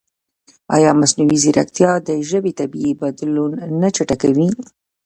ایا مصنوعي ځیرکتیا د ژبې طبیعي بدلون نه چټکوي؟